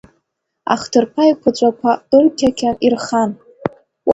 Ахҭырԥа еиқәаҵәақәа ырқьақьан ирхан.